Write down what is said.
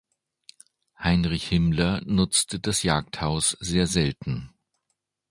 Heinrich Himmler nutzte das Jagdhaus sehr selten.